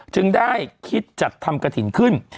จึงได้คิดจัดธรรมกฐินขึ้น